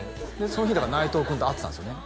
その日だから内藤君と会ってたんですよね？